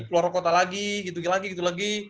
keluar kota lagi gitu lagi gitu lagi